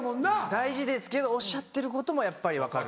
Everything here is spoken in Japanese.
大事ですけどおっしゃってることもやっぱり分かる。